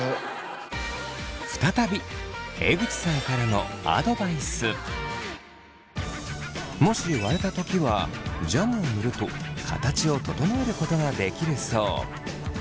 再び江口さんからのもし割れた時はジャムを塗ると形を整えることができるそう。